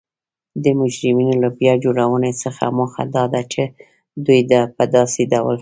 د مجرمینو له بیا جوړونې څخه موخه دا ده چی دوی په داسې ډول